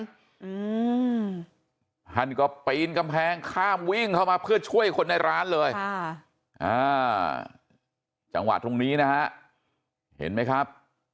อืมท่านก็ปีนกำแพงข้ามวิ่งเข้ามาเพื่อช่วยคนในร้านเลยค่ะอ่าจังหวะตรงนี้นะฮะเห็นไหมครับ